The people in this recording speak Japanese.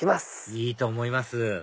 いいと思います